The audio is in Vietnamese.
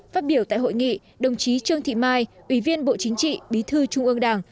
phát biểu tại hội nghị đồng chí trương thị mai ủy viên bộ chính trị bí thư trung ương đảng